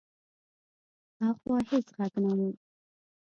هاخوا هېڅ غږ نه و.